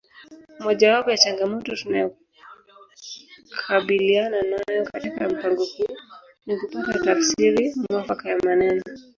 Mojawapo ya changamoto tunayokabiliana nayo katika mpango huu ni kupata tafsiri mwafaka ya maneno